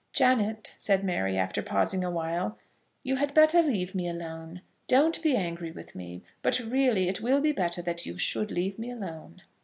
"Janet," said Mary, after pausing awhile, "you had better leave me alone. Don't be angry with me; but really it will be better that you should leave me alone."